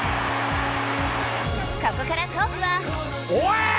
ここからトークは。